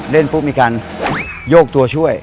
ปุ๊บมีการโยกตัวช่วย